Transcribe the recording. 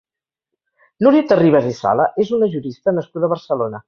Núria Terribas i Sala és una jurista nascuda a Barcelona.